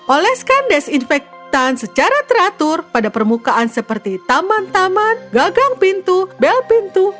oleskan desinfektan secara teratur pada permukaan seperti taman taman gagang pintu bel pintu